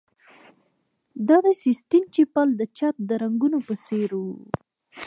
دا د سیسټین چیپل د چت د رنګولو په څیر و